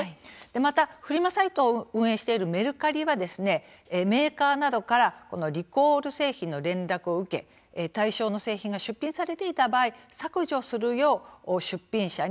またフリマサイトを運営しているメルカリはメーカーなどからリコール製品の連絡を受け対象の製品が出品されていた場合削除するよう出品者に依頼をする。